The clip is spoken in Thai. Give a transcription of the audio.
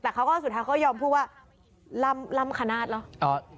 แต่เขาก็สุดท้ายเขายอมพูดว่าล่ำคณาศเหรอ